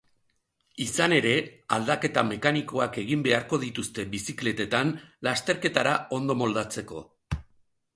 Izan ere, aldaketa mekanikoak egin beharko dituzte bizikletetan lasterketara ondo moldatzeko.